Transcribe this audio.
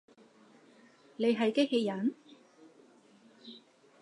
你係機器人？